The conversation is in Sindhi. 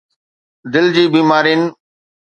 دل جي بيمارين